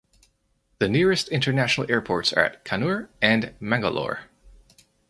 The nearest international airports are at Kannur and Mangalore.